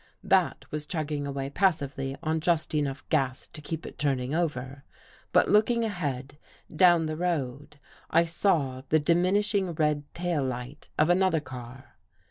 That was chugging away passively on just enough gas to keep it turning over. But, look ing ahead down the road, I saw the diminishing red tail light of another car.